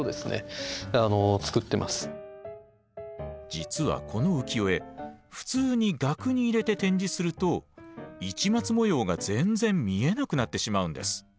実はこの浮世絵普通に額に入れて展示すると市松模様が全然見えなくなってしまうんです。